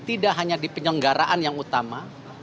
tidak hanya di penyelenggaraan yang utama